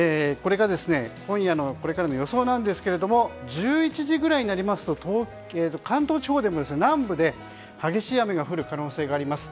今夜のこれからの予想ですが１１時ぐらいになりますと関東地方でも南部で激しい雨が降る可能性があります。